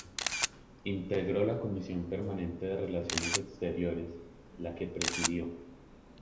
Integró la Comisión Permanente de Relaciones Exteriores, la que presidió.